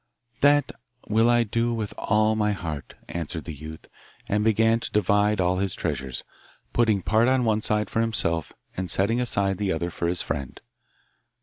'That will I do with all my heart,' answered the youth, and began to divide all his treasures, putting part on one side for himself and setting aside the other for his friend.